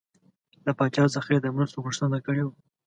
له پاچا څخه یې د مرستو غوښتنه کړې وه.